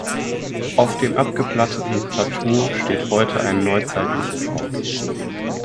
Auf dem abgeplatteten Plateau steht heute ein neuzeitliches Haus.